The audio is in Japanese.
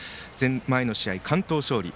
前の試合で完投勝利。